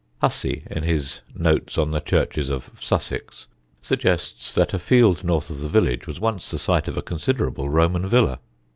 Hussey, in his Notes on the Churches of ... Sussex, suggests that a field north of the village was once the site of a considerable Roman villa.